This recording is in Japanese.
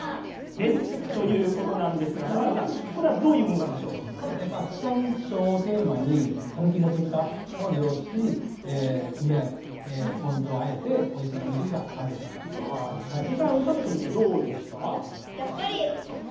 です、ということなんですが永原さんこれはどういうもの地産地消をテーマに讃岐もち豚を利用して梅、ポン酢をあえておいしいおにぎりが実際に食べてみてどうでした。